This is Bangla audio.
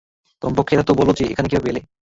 কমপক্ষে এটা তো বলো যে, এখানে কীভাবে এলে?